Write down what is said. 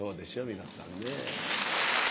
皆さんねぇ。